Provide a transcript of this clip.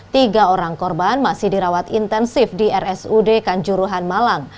tiga orang korban masih dirawat intensif di rsud kanjuruhan malang